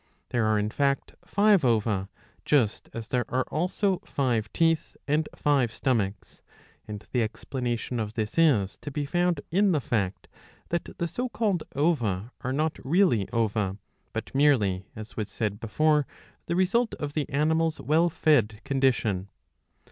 There are in fact five ova, just as there are also five teeth and five stomachs ; and the explanation of this is to be found in the fact that the so called ova are not really ova, but merely, as was said before, the result of the animal's well fed condition.